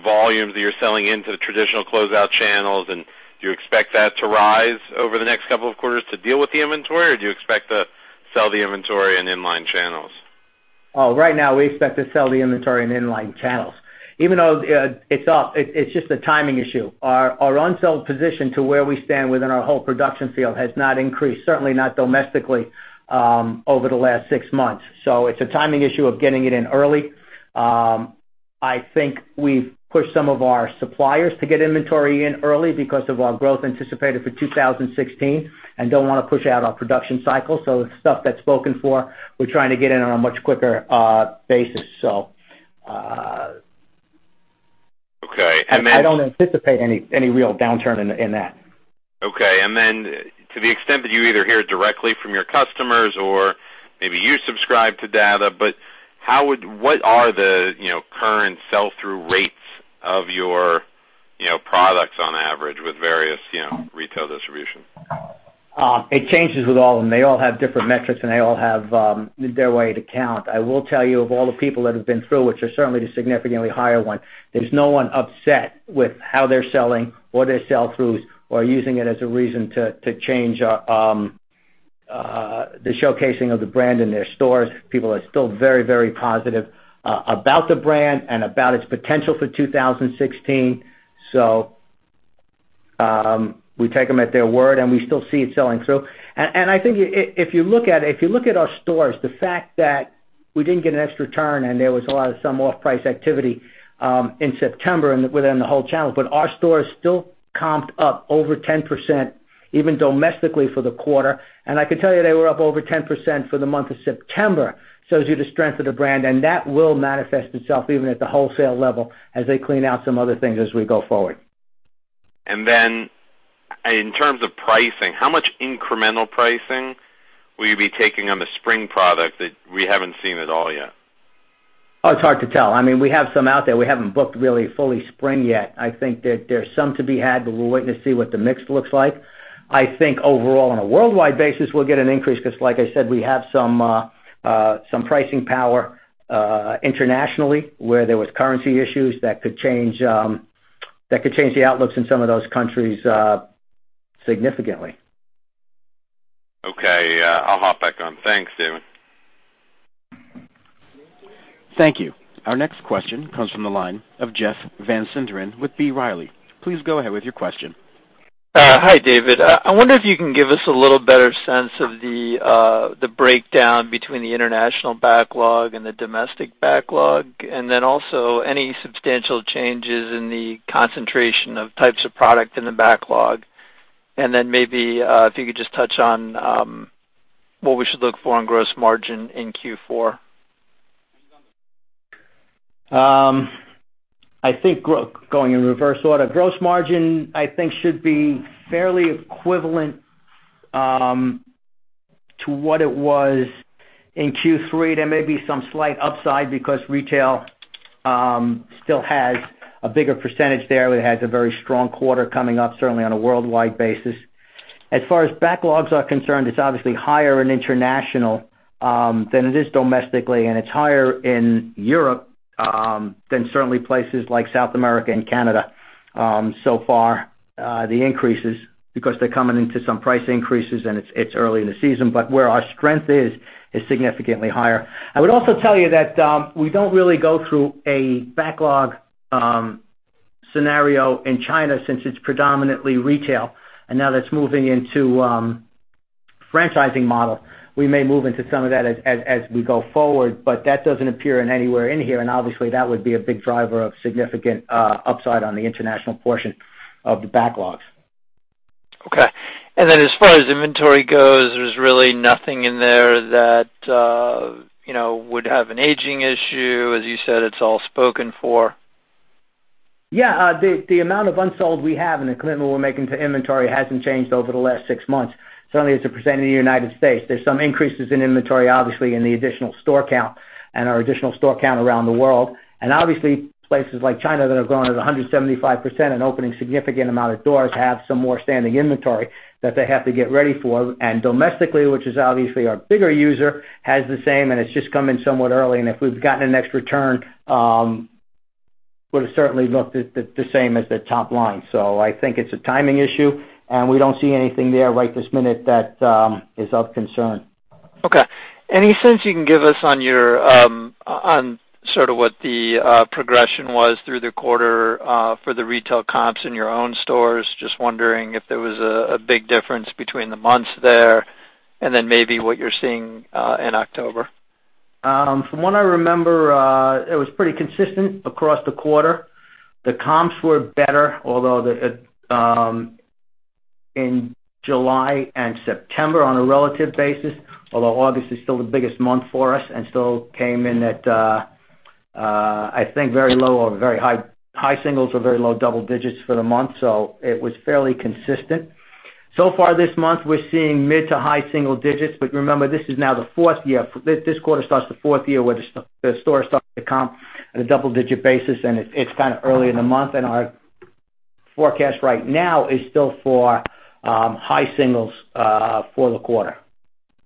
volumes that you're selling into the traditional closeout channels, and do you expect that to rise over the next couple of quarters to deal with the inventory, or do you expect to sell the inventory in inline channels? Right now, we expect to sell the inventory in inline channels. Even though it's up, it's just a timing issue. Our unsold position to where we stand within our whole production field has not increased, certainly not domestically, over the last six months. It's a timing issue of getting it in early. I think we've pushed some of our suppliers to get inventory in early because of our growth anticipated for 2016 and don't want to push out our production cycle. It's stuff that's spoken for. We're trying to get in on a much quicker basis, so. Okay. I don't anticipate any real downturn in that. Okay. Then to the extent that you either hear directly from your customers or maybe you subscribe to data, what are the current sell-through rates of your products on average with various retail distribution? It changes with all of them. They all have different metrics, they all have their way to count. I will tell you, of all the people that have been through, which are certainly the significantly higher one, there's no one upset with how they're selling or their sell-throughs or using it as a reason to change the showcasing of the brand in their stores. People are still very, very positive about the brand and about its potential for 2016. We take them at their word, we still see it selling through. I think if you look at our stores, the fact that we didn't get an extra turn and there was a lot of some off-price activity in September within the whole channel, our stores still comped up over 10%, even domestically for the quarter. I can tell you they were up over 10% for the month of September, shows you the strength of the brand, that will manifest itself even at the wholesale level as they clean out some other things as we go forward. In terms of pricing, how much incremental pricing will you be taking on the spring product that we haven't seen at all yet? It's hard to tell. We have some out there. We haven't booked really fully spring yet. I think that there's some to be had, but we're waiting to see what the mix looks like. I think overall on a worldwide basis, we'll get an increase because like I said, we have some pricing power internationally where there was currency issues that could change the outlooks in some of those countries significantly. I'll hop back on. Thanks, David. Thank you. Our next question comes from the line of Jeff Van Sinderen with B. Riley. Please go ahead with your question. Hi, David. I wonder if you can give us a little better sense of the breakdown between the international backlog and the domestic backlog. Also any substantial changes in the concentration of types of product in the backlog. Maybe, if you could just touch on what we should look for on gross margin in Q4. I think going in reverse order. Gross margin, I think, should be fairly equivalent to what it was in Q3. There may be some slight upside because retail still has a bigger percentage there. We had a very strong quarter coming up, certainly on a worldwide basis. As far as backlogs are concerned, it's obviously higher in international than it is domestically, and it's higher in Europe than certainly places like South America and Canada so far the increases because they're coming into some price increases and it's early in the season. Where our strength is significantly higher. I would also tell you that we don't really go through a backlog scenario in China since it's predominantly retail. Now that it's moving into franchising model, we may move into some of that as we go forward. That doesn't appear in anywhere in here. Obviously that would be a big driver of significant upside on the international portion of the backlogs. Okay. As far as inventory goes, there's really nothing in there that would have an aging issue. As you said, it's all spoken for. Yeah. The amount of unsold we have and the commitment we're making to inventory hasn't changed over the last six months. Certainly, it's a % in the United States. There's some increases in inventory, obviously in the additional store count and our additional store count around the world. Obviously places like China that have grown at 175% and opening significant amount of doors have some more standing inventory that they have to get ready for. Domestically, which is obviously our bigger user, has the same and it's just come in somewhat early. If we've gotten an extra turn, would have certainly looked at the same as the top line. I think it's a timing issue, and we don't see anything there right this minute that is of concern. Okay. Any sense you can give us on sort of what the progression was through the quarter for the retail comps in your own stores? Just wondering if there was a big difference between the months there, and then maybe what you're seeing in October. From what I remember, it was pretty consistent across the quarter. The comps were better, although in July and September on a relative basis. August is still the biggest month for us and still came in at, I think very low or very high singles or very low double digits for the month. It was fairly consistent. Far this month, we're seeing mid to high single digits. Remember, this is now the fourth year. This quarter starts the fourth year where the store starts to comp at a double-digit basis, and it's kind of early in the month. Our forecast right now is still for high singles for the quarter.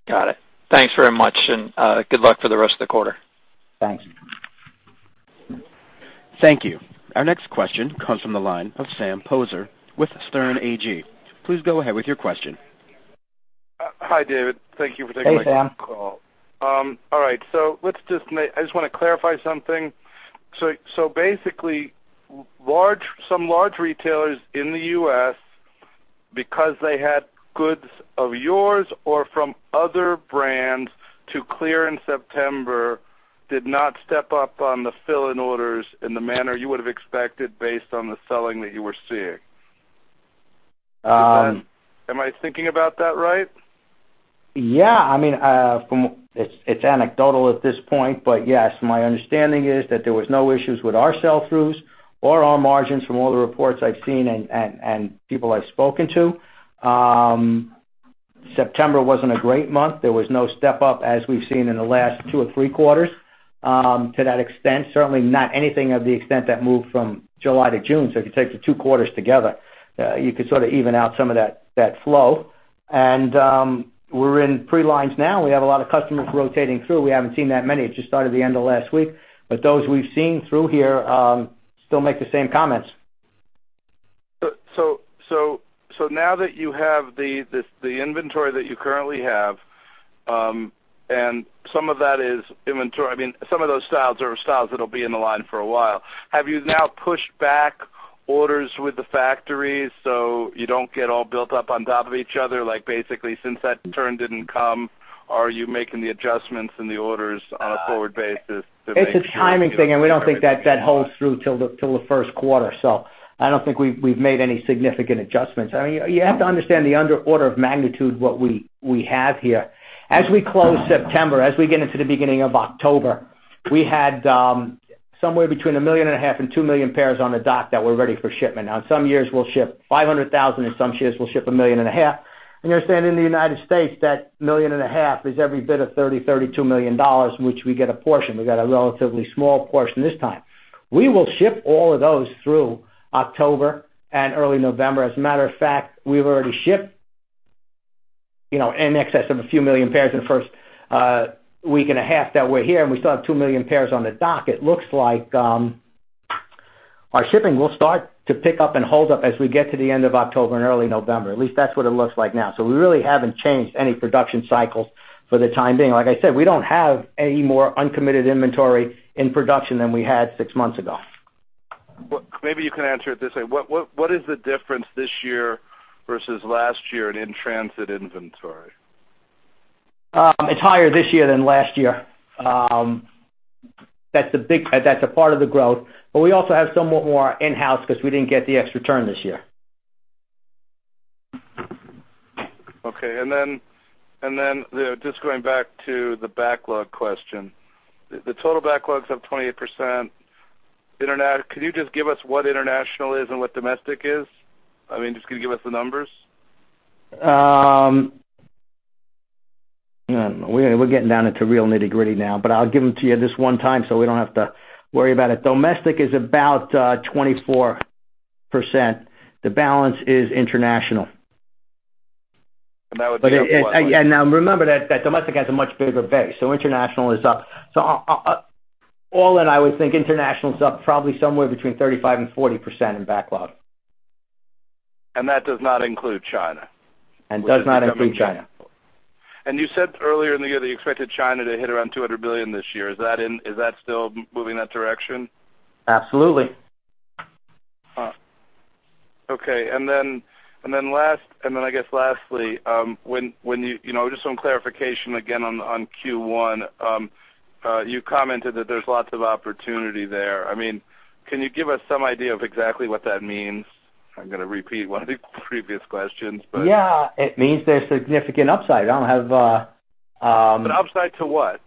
Got it. Thanks very much, and good luck for the rest of the quarter. Thanks. Thank you. Our next question comes from the line of Sam Poser with Sterne Agee. Please go ahead with your question. Hi, David. Thank you for taking my call. Hey, Sam. All right. I just want to clarify something. Basically, some large retailers in the U.S., because they had goods of yours or from other brands to clear in September, did not step up on the fill-in orders in the manner you would have expected based on the selling that you were seeing. Am I thinking about that right? Yeah. It's anecdotal at this point, but yes. My understanding is that there was no issues with our sell-throughs or our margins from all the reports I've seen and people I've spoken to. September wasn't a great month. There was no step up as we've seen in the last two or three quarters. To that extent, certainly not anything of the extent that moved from July to June. If you take the two quarters together, you could sort of even out some of that flow. We're in pre-lines now, and we have a lot of customers rotating through. We haven't seen that many. It just started the end of last week, those we've seen through here, still make the same comments. Now that you have the inventory that you currently have, and some of those styles are styles that'll be in the line for a while. Have you now pushed back orders with the factories so you don't get all built up on top of each other? Like, basically, since that turn didn't come, are you making the adjustments in the orders on a forward basis to make sure you don't- It's a timing thing, we don't think that holds true till the first quarter. I don't think we've made any significant adjustments. You have to understand the under order of magnitude, what we have here. As we close September, as we get into the beginning of October, we had somewhere between 1.5 million and 2 million pairs on the dock that were ready for shipment. In some years, we'll ship 500,000, and some years we'll ship 1.5 million. You understand, in the U.S., that 1.5 million is every bit of $30 million-$32 million, which we get a portion. We got a relatively small portion this time. We will ship all of those through October and early November. As a matter of fact, we've already shipped in excess of a few million pairs in the first week and a half that we're here, and we still have 2 million pairs on the dock. It looks like our shipping will start to pick up and hold up as we get to the end of October and early November. At least that's what it looks like now. We really haven't changed any production cycles for the time being. Like I said, we don't have any more uncommitted inventory in production than we had six months ago. Maybe you can answer it this way. What is the difference this year versus last year in transit inventory? It's higher this year than last year. That's a part of the growth, but we also have somewhat more in-house because we didn't get the extra turn this year. Okay. Just going back to the backlog question, the total backlogs up 28%. Can you just give us what international is and what domestic is? Just can you give us the numbers? We're getting down into real nitty-gritty now, but I'll give them to you this one time, so we don't have to worry about it. Domestic is about 24%. The balance is international. That would be up from last year. Now remember that domestic has a much bigger base. International is up. All in, I would think international is up probably somewhere between 35% and 40% in backlog. That does not include China. Does not include China. Which is becoming big. You said earlier in the year that you expected China to hit around $200 billion this year. Is that still moving in that direction? Absolutely. Okay. Lastly, just some clarification again on Q1. You commented that there's lots of opportunity there. Can you give us some idea of exactly what that means? I'm going to repeat one of the previous questions, but. Yeah. It means there's significant upside. Upside to what?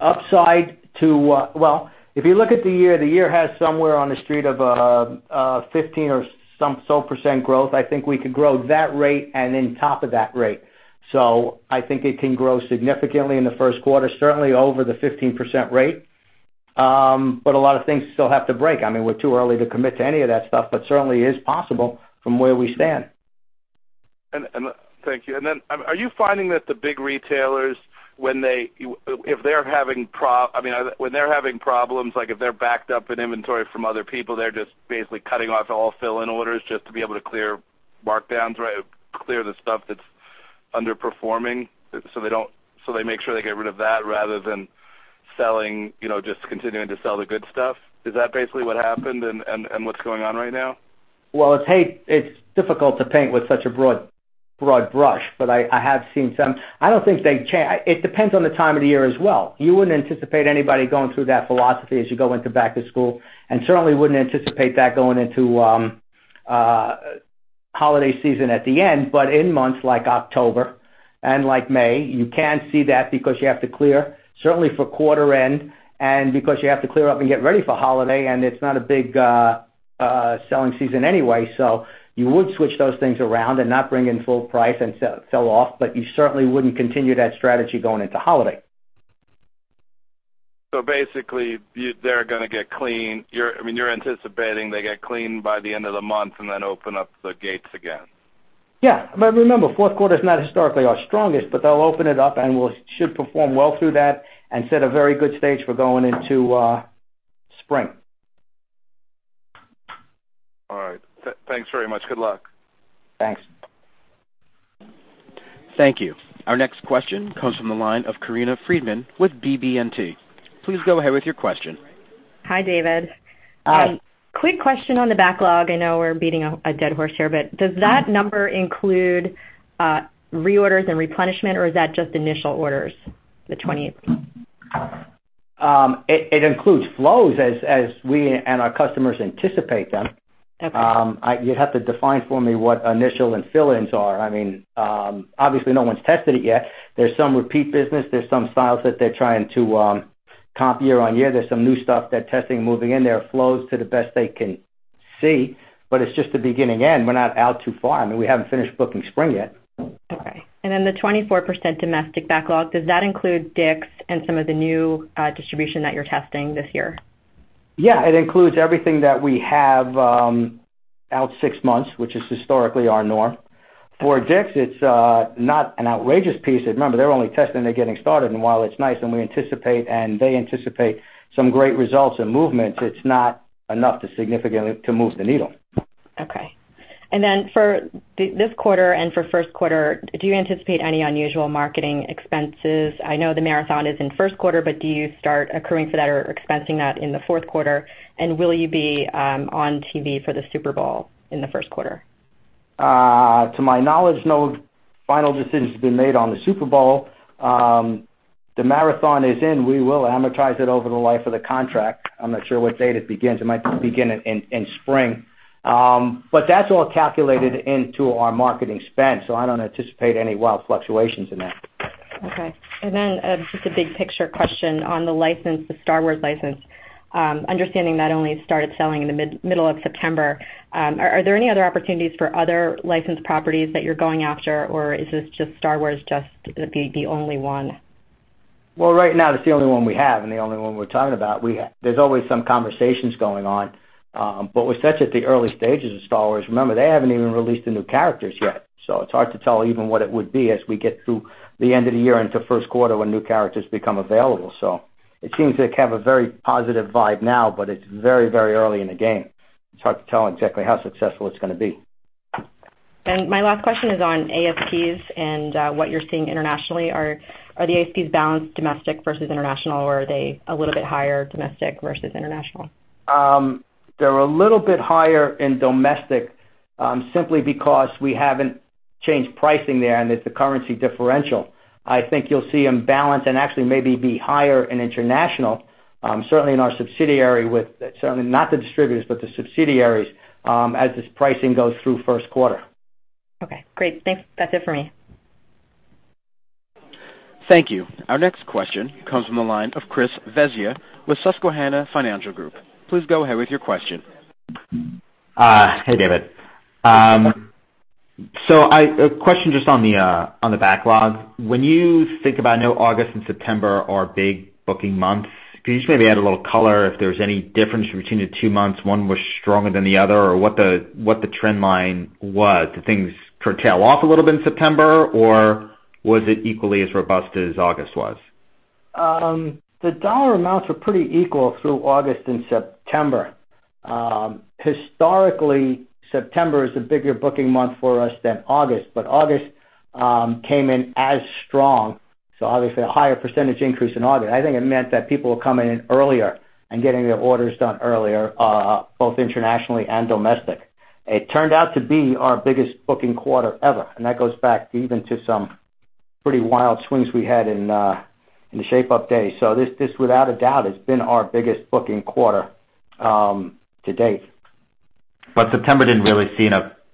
Upside to Well, if you look at the year, the year has somewhere on the street of 15% or some so percent growth. I think we could grow that rate and then top of that rate. I think it can grow significantly in the first quarter, certainly over the 15% rate. A lot of things still have to break. We're too early to commit to any of that stuff, but certainly is possible from where we stand. Thank you. Are you finding that the big retailers, when they're having problems, like if they're backed up in inventory from other people, they're just basically cutting off all fill-in orders just to be able to clear markdowns, clear the stuff that's underperforming, so they make sure they get rid of that rather than just continuing to sell the good stuff. Is that basically what happened and what's going on right now? Well, it's difficult to paint with such a broad brush, but I have seen some. It depends on the time of the year as well. You wouldn't anticipate anybody going through that philosophy as you go into back to school, certainly wouldn't anticipate that going into holiday season at the end. In months like October and like May, you can see that because you have to clear, certainly for quarter end, because you have to clear up and get ready for holiday, it's not a big selling season anyway. You would switch those things around and not bring in full price and sell off, but you certainly wouldn't continue that strategy going into holiday. Basically, they're going to get clean. You're anticipating they get clean by the end of the month and then open up the gates again. Yeah. Remember, fourth quarter is not historically our strongest, but they'll open it up, and we should perform well through that and set a very good stage for going into spring. All right. Thanks very much. Good luck. Thanks. Thank you. Our next question comes from the line of Corinna Freedman with BB&T. Please go ahead with your question. Hi, David. Hi. Quick question on the backlog. I know we're beating a dead horse here, does that number include reorders and replenishment, or is that just initial orders, the 28? It includes flows as we and our customers anticipate them. Okay. You'd have to define for me what initial and fill-ins are. Obviously, no one's tested it yet. There's some repeat business. There's some styles that they're trying to Comp year-on-year, there's some new stuff they're testing, moving in there, flows to the best they can see, it's just the beginning end. We're not out too far. I mean, we haven't finished booking spring yet. Okay. The 24% domestic backlog, does that include Dick's and some of the new distribution that you're testing this year? Yeah. It includes everything that we have out 6 months, which is historically our norm. For Dick's, it's not an outrageous piece. Remember, they're only testing, they're getting started, and while it's nice and we anticipate, and they anticipate some great results and movements, it's not enough to significantly move the needle. Okay. For this quarter, for first quarter, do you anticipate any unusual marketing expenses? I know the marathon is in first quarter, but do you start accruing for that or expensing that in the fourth quarter? Will you be on TV for the Super Bowl in the first quarter? To my knowledge, no final decision's been made on the Super Bowl. The marathon is in. We will amortize it over the life of the contract. I'm not sure what date it begins. It might begin in spring. That's all calculated into our marketing spend, so I don't anticipate any wild fluctuations in that. Okay. Just a big picture question on the license, the Star Wars license. Understanding that only it started selling in the middle of September, are there any other opportunities for other licensed properties that you're going after, or is this just Star Wars just the only one? Well, right now that's the only one we have and the only one we're talking about. There's always some conversations going on. We're such at the early stages of Star Wars. Remember, they haven't even released the new characters yet, so it's hard to tell even what it would be as we get through the end of the year into first quarter when new characters become available. It seems they have a very positive vibe now, it's very early in the game. It's hard to tell exactly how successful it's going to be. My last question is on ASPs and what you're seeing internationally. Are the ASPs balanced domestic versus international, or are they a little bit higher domestic versus international? They're a little bit higher in domestic, simply because we haven't changed pricing there and it's a currency differential. I think you'll see them balance and actually maybe be higher in international, certainly in our subsidiary. Certainly not the distributors, but the subsidiaries, as this pricing goes through first quarter. Okay, great. Thanks. That's it for me. Thank you. Our next question comes from the line of Christopher Svezia with Susquehanna Financial Group. Please go ahead with your question. Hey, David. A question just on the backlog. When you think about, I know August and September are big booking months, could you just maybe add a little color if there's any difference between the two months, one was stronger than the other, or what the trend line was? Did things curtail off a little bit in September, or was it equally as robust as August was? The dollar amounts were pretty equal through August and September. Historically, September is a bigger booking month for us than August came in as strong, obviously a higher percentage increase in August. I think it meant that people were coming in earlier and getting their orders done earlier, both internationally and domestic. It turned out to be our biggest booking quarter ever, and that goes back even to some pretty wild swings we had in the Shape-up days. This, without a doubt, has been our biggest booking quarter to date. September didn't really see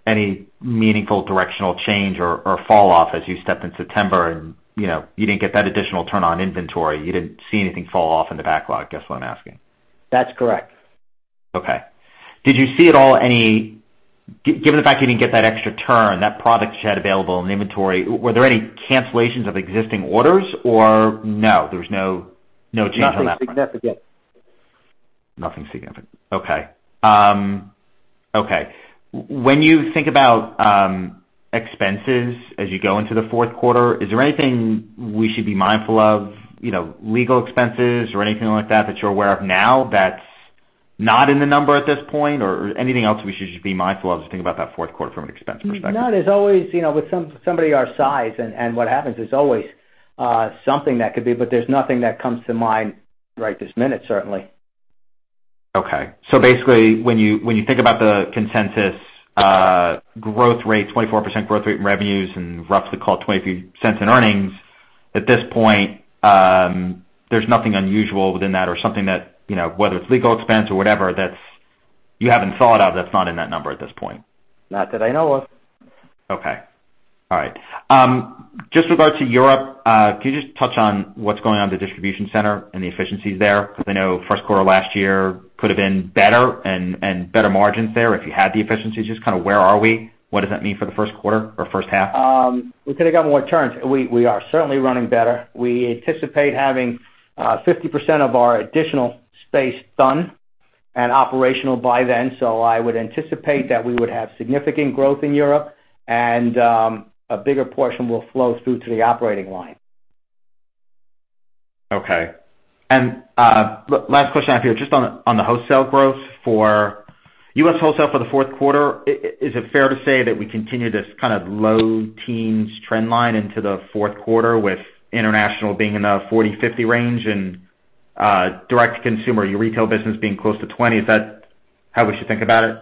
any meaningful directional change or fall off as you stepped in September, you didn't get that additional turn on inventory. You didn't see anything fall off in the backlog, I guess what I'm asking. That's correct. Okay. Given the fact you didn't get that extra turn, that product you had available in the inventory, were there any cancellations of existing orders, or no, there was no change on that front? Nothing significant. Nothing significant. Okay. When you think about expenses as you go into the fourth quarter, is there anything we should be mindful of, legal expenses or anything like that you're aware of now that's not in the number at this point, or anything else we should just be mindful of as we think about that fourth quarter from an expense perspective? No. With somebody our size and what happens, it's always something that could be, but there's nothing that comes to mind right this minute, certainly. Okay. Basically, when you think about the consensus growth rate, 24% growth rate in revenues and roughly call it $0.22 in earnings, at this point, there's nothing unusual within that or something that, whether it's legal expense or whatever, that you haven't thought of that's not in that number at this point? Not that I know of. Okay. All right. Just with regard to Europe, could you just touch on what's going on with the distribution center and the efficiencies there? I know first quarter last year could have been better and better margins there if you had the efficiencies. Just kind of where are we? What does that mean for the first quarter or first half? We could have got more turns. We are certainly running better. We anticipate having 50% of our additional space done and operational by then. I would anticipate that we would have significant growth in Europe, and a bigger portion will flow through to the operating line. Okay. Last question I have here, just on the wholesale growth for U.S. wholesale for the fourth quarter, is it fair to say that we continue this kind of low teens trend line into the fourth quarter with international being in the 40%-50% range and direct to consumer, your retail business being close to 20%? Is that how we should think about it?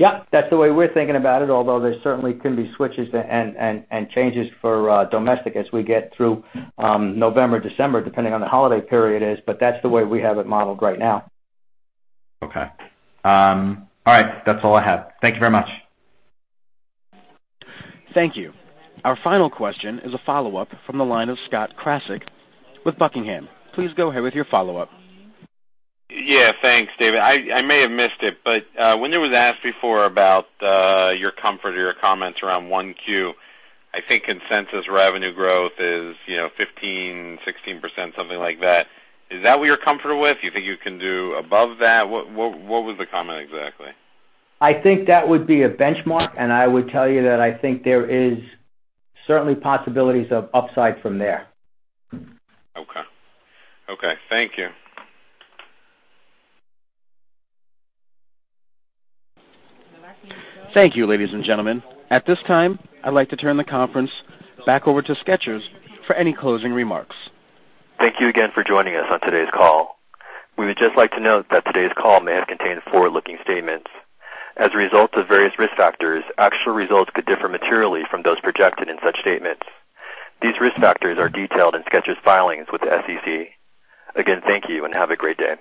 Yeah, that's the way we're thinking about it, although there certainly can be switches and changes for domestic as we get through November, December, depending on the holiday period is, that's the way we have it modeled right now. Okay. All right. That's all I have. Thank you very much. Thank you. Our final question is a follow-up from the line of Scott Krasik with Buckingham. Please go ahead with your follow-up. Yeah. Thanks, David. I may have missed it, when it was asked before about your comfort or your comments around one Q, I think consensus revenue growth is 15%, 16%, something like that. Is that what you're comfortable with? Do you think you can do above that? What was the comment exactly? I think that would be a benchmark, I would tell you that I think there is certainly possibilities of upside from there. Okay. Thank you. Thank you, ladies and gentlemen. At this time, I'd like to turn the conference back over to Skechers for any closing remarks. Thank you again for joining us on today's call. We would just like to note that today's call may have contained forward-looking statements. As a result of various risk factors, actual results could differ materially from those projected in such statements. These risk factors are detailed in Skechers' filings with the SEC. Again, thank you, and have a great day